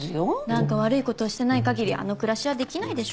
なんか悪い事をしてない限りあの暮らしはできないでしょう。